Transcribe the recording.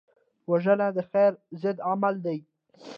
وژنه د خیر ضد عمل دی